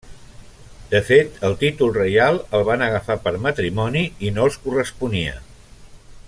De fet el títol reial el van agafar per matrimoni i no els corresponia.